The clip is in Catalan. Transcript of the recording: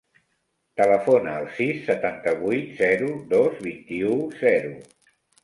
Telefona al sis, setanta-vuit, zero, dos, vint-i-u, zero.